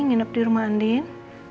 nginep di rumah andin